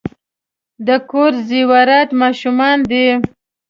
د کور زیورات ماشومان دي .